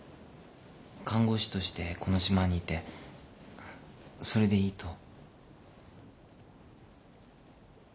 看護師としてこの島にいてそれでいいと？